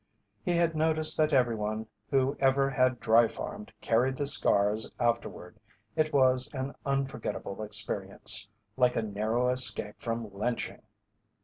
He had noticed that everyone who ever had dry farmed carried the scars afterward. It was an unforgettable experience, like a narrow escape from lynching.